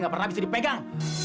gak pernah bisa dipegang